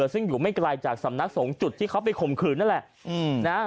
ซึ่งอยู่ไม่ไกลจากสำนักสงฆ์จุดที่เขาไปข่มขืนนั่นแหละ